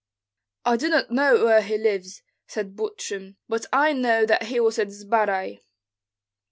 "I do not know where he lives," said Butrym, "but I know that he was at Zbaraj."